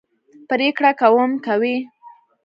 پرېکړه کوم کوي.